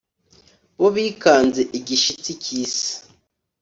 Bo bikanze igishitsi cy'isi,